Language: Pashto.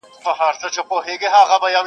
څارنوال چي د قاضي دې کار ته ګوري-